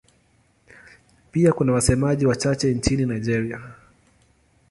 Pia kuna wasemaji wachache nchini Nigeria.